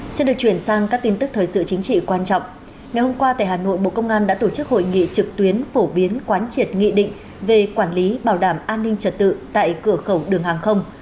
xin được chuyển sang các tin tức thời sự chính trị quan trọng ngày hôm qua tại hà nội bộ công an đã tổ chức hội nghị trực tuyến phổ biến quán triệt nghị định về quản lý bảo đảm an ninh trật tự tại cửa khẩu đường hàng không